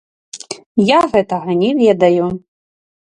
Я гэтага не ведаю.